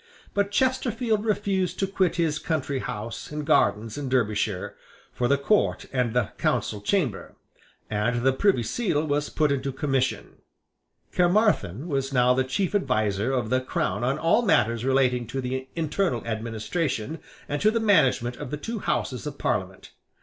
But Chesterfield refused to quit his country house and gardens in Derbyshire for the Court and the Council Chamber; and the Privy Seal was put into Commission, Caermarthen was now the chief adviser of the Crown on all matters relating to the internal administration and to the management of the two Houses of Parliament.